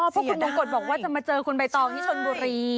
เพราะคุณมงกฎบอกว่าจะมาเจอคุณใบตองที่ชนบุรี